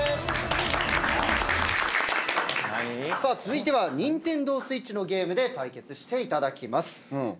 続いてはＮｉｎｔｅｎｄｏＳｗｉｔｃｈのゲームで対決していただきます。